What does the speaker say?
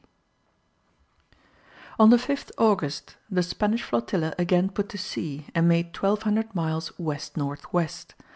On the 5th August the Spanish flotilla again put to sea and made 1200 miles west north west.